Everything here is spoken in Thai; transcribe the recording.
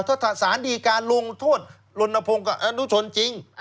ถ้าสารดีการลงโทษลนพงศ์กับอนุชนจริง